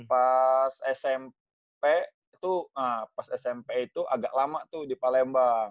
pas smp smp itu pas smp itu agak lama tuh di palembang